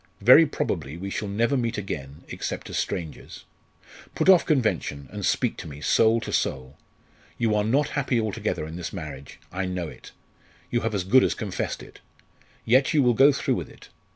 Very probably we shall never meet again, except as strangers. Put off convention, and speak to me, soul to soul! You are not happy altogether in this marriage. I know it. You have as good as confessed it. Yet you will go through with it.